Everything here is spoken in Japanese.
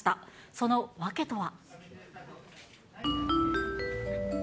その訳とは？